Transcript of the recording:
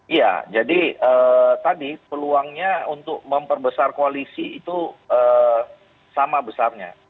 iya jadi tadi peluangnya untuk memperbesar koalisi itu sama besarnya